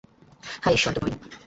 হায় ঈশ্বর, দুটোই।